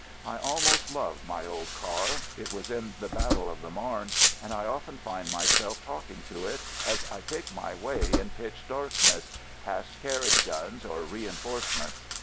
I almost love my old car — it was in the battle of the Marne — and I often find myself talk ing to it as I pick my way in pitch darkness — past carriage guns or reinforcements.